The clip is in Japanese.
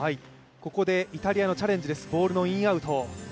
ここでイタリアのチャレンジです、ボールのインアウト。